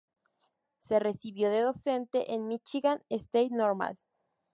Se recibió de docente en "Michigan State Normal".